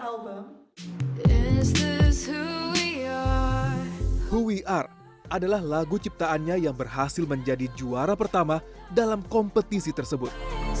who we are adalah lagu ciptaannya yang berhasil menjadi juara pertama dalam kompetisi tersebut